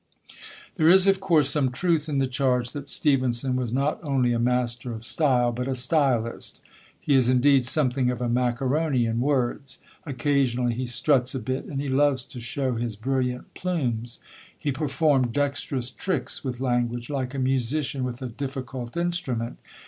There is, of course, some truth in the charge that Stevenson was not only a master of style, but a stylist. He is indeed something of a macaroni in words; occasionally he struts a bit, and he loves to show his brilliant plumes. He performed dexterous tricks with language, like a musician with a difficult instrument.